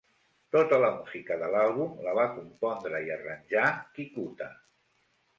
Tota la música de l'àlbum la va compondre i arranjar Kikuta.